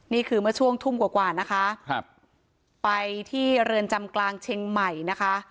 นี่คือเมื่อช่วงทุ่มกว่ากว่านะคะครับไปที่เรือนจำกลางเชียงใหม่นะคะ